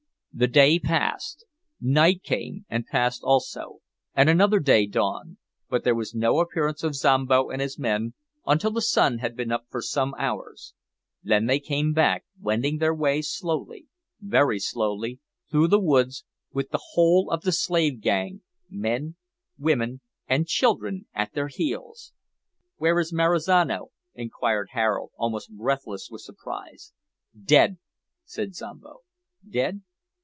The day passed; night came and passed also, and another day dawned, but there was no appearance of Zombo and his men, until the sun had been up for some hours. Then they came back, wending their way slowly very slowly through the woods, with the whole of the slave gang, men, women, and children, at their heels! "Where is Marizano?" inquired Harold, almost breathless with surprise. "Dead!" said Zombo. "Dead?"